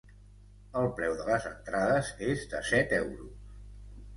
El preu de les entrades és de set euros.